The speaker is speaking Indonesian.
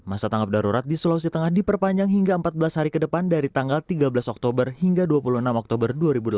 masa tanggap darurat di sulawesi tengah diperpanjang hingga empat belas hari ke depan dari tanggal tiga belas oktober hingga dua puluh enam oktober dua ribu delapan belas